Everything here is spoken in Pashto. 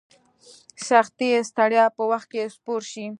سختي ستړیا په وخت کې سپور شي.